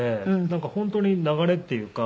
なんか本当に流れっていうか。